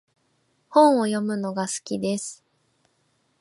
本を読むのが好きです。